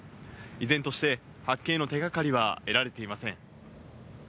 依然として発見への手掛かりは得られていません。